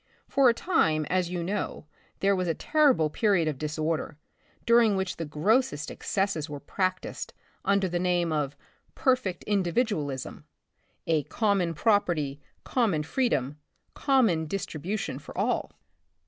For a time, as you know, there was a terrible period of disorder, during which the grossest excesses were practiced under the name of Perfect Individualism,*' "a common property, common freedom, common distribu I The Republic of the Future, 55 tion for all."